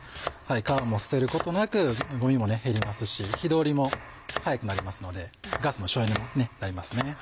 皮も捨てることなくゴミも減りますし火通りも早くなりますのでガスの省エネになりますね。